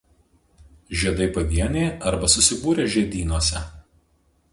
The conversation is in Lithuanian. Žiedai pavieniai arba susibūrę žiedynuose.